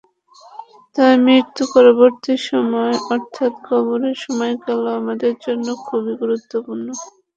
তাই মৃত্যু পরবর্তী সময় অর্থাৎ কবরের সময়কালও আমাদের জন্য খুবই গুরুত্বপূর্ণ।